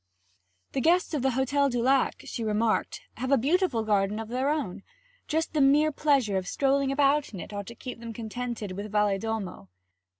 'The guests of the Hotel du Lac,' she remarked, 'have a beautiful garden of their own. Just the mere pleasure of strolling about in it ought to keep them contented with Valedolmo.'